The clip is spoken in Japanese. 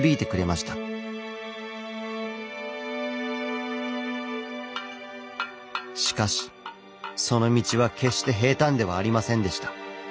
しかしその道は決して平たんではありませんでした。